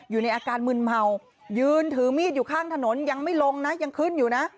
อยู่ในอาการมึนเมายืนถือมีดอยู่ข้างถนนยังไม่ลงนะยังขึ้นอยู่นะ